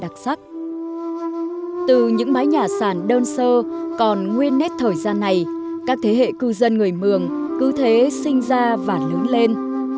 từ những mái nhà sàn đơn sơ còn nguyên nét thời gian này các thế hệ cư dân người mường cứ thế sinh ra và lớn lên